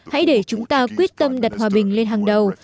hãy để chúng ta quyết tâm đặt hòa bình lên hàng đầu